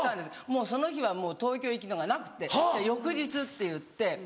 もうその日は東京行きのがなくて翌日っていって。